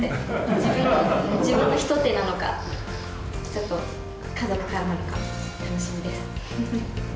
自分のひと手なのか、ちょっと、家族からなのか、楽しみです。